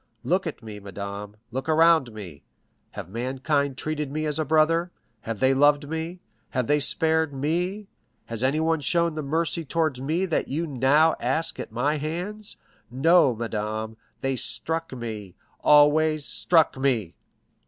Look at me, madame—look around me. Has mankind treated me as a brother? Have men loved me? Have they spared me? Has anyone shown the mercy towards me that you now ask at my hands? No, madame, they struck me, always struck me!